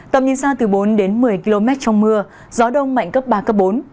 tầm nhìn xa từ bốn đến một mươi km trong mưa gió đông mạnh cấp ba cấp bốn